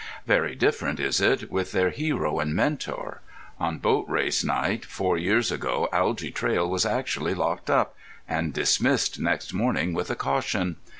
Very different is it with their hero and mentor. On Boat race night four years ago Algy Traill was actually locked up—and dismissed next morning with a caution.